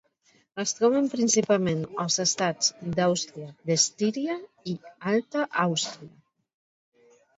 Es troben principalment als estats d'Àustria d'Estíria i Alta Àustria.